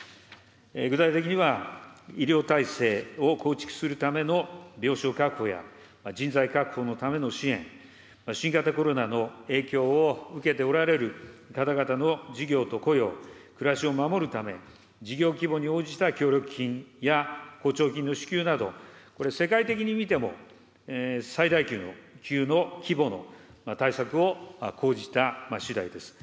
具体的には、医療体制を構築するための病床確保や人材確保のための支援、新型コロナの影響を受けておられる方々の事業と雇用、暮らしを守るため、事業規模に応じた協力金や雇調金の支給など、これ、世界的に見ても、最大級の規模の対策を講じたしだいです。